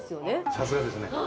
さすがですね。